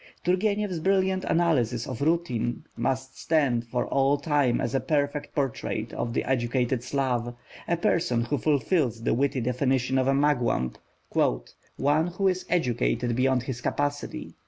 Turgenev's brilliant analysis of Rudin must stand for all time as a perfect portrait of the educated Slav, a person who fulfils the witty definition of a Mugwump, "one who is educated beyond his capacity."